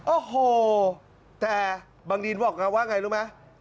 โอ้โหแต่บางดีนบอกไงว่าไงรู้ไหม